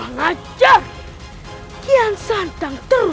dan menangkap kake guru